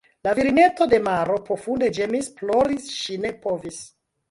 La virineto de maro profunde ĝemis, plori ŝi ne povis.